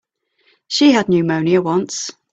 She had pneumonia once.